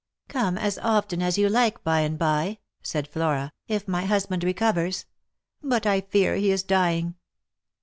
" Come as often as you like, by and by," said Flora, " if my husband recovers. But I fear he is dying."